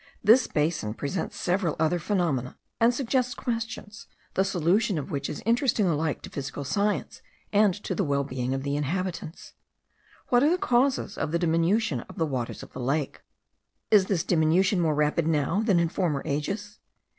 This basin presents several other phenomena, and suggests questions, the solution of which is interesting alike to physical science and to the well being of the inhabitants. What are the causes of the diminution of the waters of the lake? Is this diminution more rapid now than in former ages?